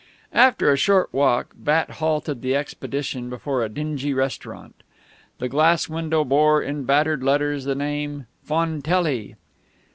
After a short walk Bat halted the expedition before a dingy restaurant. The glass window bore in battered letters the name, Fontelli.